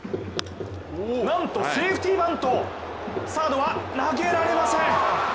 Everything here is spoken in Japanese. なんとセーフティーバント、サードは投げられません！